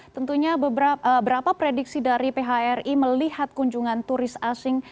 tentunya beberapa prediksi dari phri melihat kunjungan turis asing